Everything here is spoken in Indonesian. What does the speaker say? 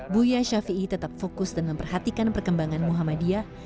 buya shafi'i tetap fokus dengan perhatikan perkembangan muhammadiyah